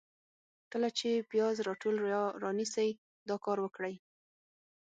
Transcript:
کله چي پیاز راټول یا رانیسئ ، دا کار وکړئ: